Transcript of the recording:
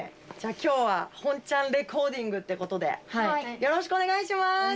じゃあ今日は本ちゃんレコーディングってことでよろしくおねがいします！